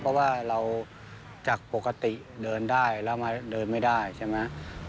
เพราะว่าเราจากปกติเดินได้แล้วมาเดินไม่ได้ใช่ไหม